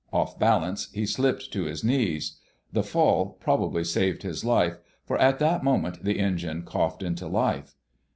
Off balance, he slipped to his knees. The fall probably saved his life, for at that moment the engine coughed into life.